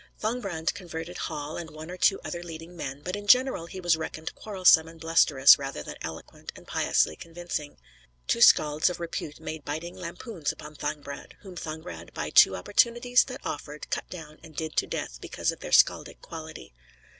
Thangbrand converted Hall and one or two other leading men; but in general he was reckoned quarrelsome and blusterous rather than eloquent and piously convincing. Two skalds of repute made biting lampoons upon Thangbrand, whom Thangbrand, by two opportunities that offered, cut down and did to death because of their skaldic quality.